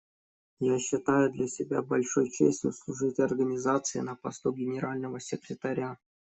Я считаю для себя большой честью служить Организации на посту Генерального секретаря.